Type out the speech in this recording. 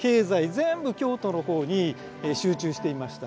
全部京都の方に集中していました。